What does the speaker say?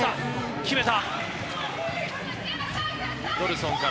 決めた！